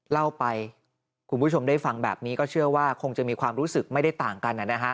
เล่าไปคุณผู้ชมได้ฟังแบบนี้ก็เชื่อว่าคงจะมีความรู้สึกไม่ได้ต่างกัน